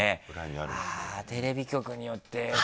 テレビ局によって。